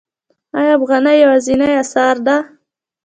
آیا افغانۍ یوازینۍ اسعار ده؟